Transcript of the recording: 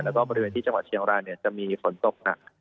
แล้วก็บริเวณที่จังหวัดเชียงรายจะมีฝนตกหนัก